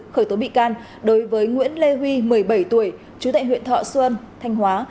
khởi tố bị can đối với nguyễn lê huy một mươi bảy tuổi chú tại huyện thọ xuân thanh hóa